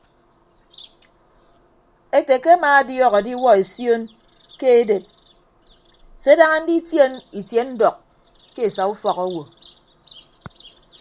Ete ke amaadiọk adiwuọ esion ke eded se daña nditie itie ndọk ke esa ufọk owo.